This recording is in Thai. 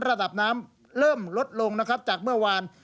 ระดับน้ำเริ่มลดลงจากเมื่อวาน